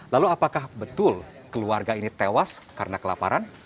lalu apakah betul keluarga ini tewas karena kelaparan